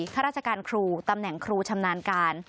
ข้าราชการครูตำแหน่งครูชำนาญการ